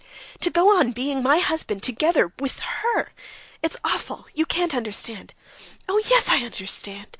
To go on being my husband together with her ... it's awful! You can't understand...." "Oh, yes, I understand!